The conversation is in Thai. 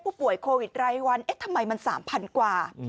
ผู้ป่วยโควิดรายวันเอ๊ะทำไมมัน๓๐๐กว่า